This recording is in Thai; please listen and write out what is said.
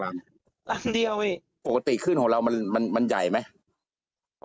ปกติขึ้นของเรามันมันมันใหญ่ไหม